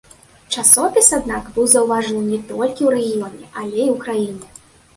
Часопіс, аднак, быў заўважаны не толькі ў рэгіёне, але і ў краіне.